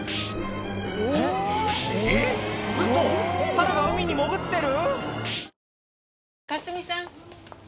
サルが海に潜ってる？